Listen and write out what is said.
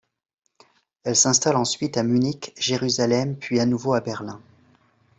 Elle s'installe ensuite à Munich, Jérusalem puis à nouveau à Berlin.